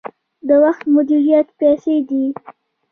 د وخت مدیریت پیسې دي